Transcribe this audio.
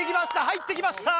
入って来ました！